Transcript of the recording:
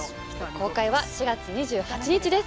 公開は４月２８日です